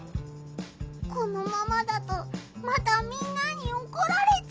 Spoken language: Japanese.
このままだとまたみんなにおこられちゃうよ！